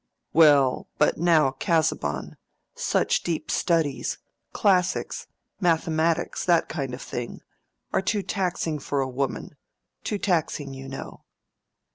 "Well, but now, Casaubon, such deep studies, classics, mathematics, that kind of thing, are too taxing for a woman—too taxing, you know."